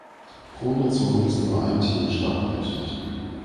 Pro Nation ist nur ein Team startberechtigt.